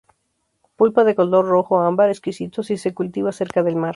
Pulpa de color rojo ámbar, exquisito si se cultiva cerca del mar.